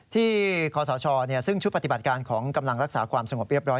คศซึ่งชุดปฏิบัติการของกำลังรักษาความสงบเรียบร้อ